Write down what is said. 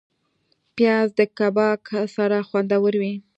پیاز د کباب سره خوندور وي